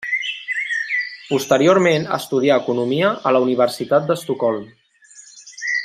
Posteriorment estudià economia a la Universitat d'Estocolm.